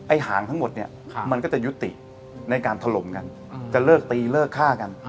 หางทั้งหมดเนี่ยมันก็จะยุติในการถล่มกันจะเลิกตีเลิกฆ่ากัน